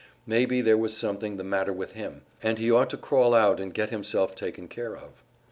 Maybe there was something the matter with him, and he ought to crawl out and get himself taken care of.